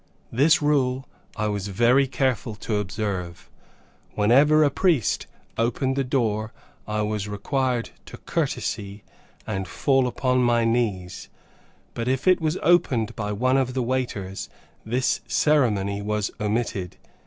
This rule I was very careful to observe. Whenever a priest opened the door I was required to courtesy, and fall upon my knees; but if it was opened by one of the waiters this ceremony was omitted.